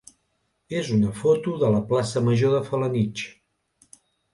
és una foto de la plaça major de Felanitx.